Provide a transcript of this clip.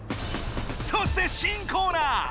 そして新コーナー